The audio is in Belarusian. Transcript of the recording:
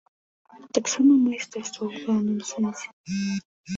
Таксама майстэрства ў пэўным сэнсе.